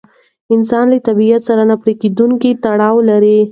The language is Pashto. انسان له طبیعت سره نه پرېکېدونکی تړاو لري.